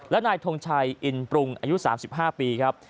และนายทงชัยอินปรุงอายุ๓๕ปีครับ